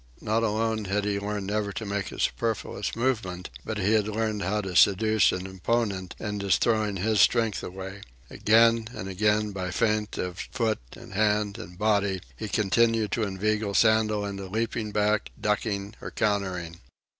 Not alone had he learned never to make a superfluous movement, but he had learned how to seduce an opponent into throwing his strength away. Again and again, by feint of foot and hand and body he continued to inveigle Sandel into leaping back, ducking, or countering.